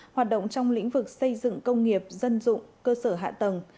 hoạt động trong lĩnh vực xây dựng công nghiệp dân dụng cơ sở hạ tầng